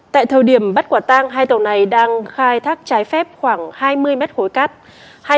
tại thời điểm bắt quả tang hai tàu này đang khai thác trái phép khoảng hai mươi mét khối cát